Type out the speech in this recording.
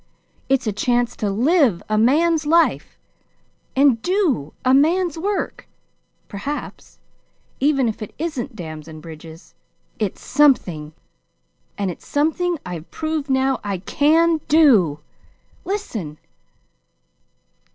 It's a chance to live a man's life and do a man's work, perhaps even if it isn't dams and bridges. It's something! and it's something I've proved now I CAN DO! Listen.